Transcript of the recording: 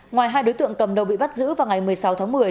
ngoài hai đối tượng cầm đầu bị bắt giữ vào ngày một mươi sáu tháng một mươi